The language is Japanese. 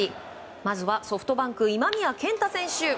まずはソフトバンク今宮健太選手。